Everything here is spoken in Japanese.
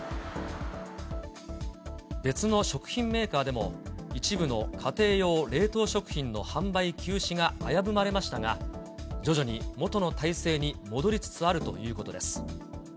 別の食品メーカーでも、一部の家庭用冷凍食品の販売休止が危ぶまれましたが、徐々にもとの体制に戻りつつあるということです。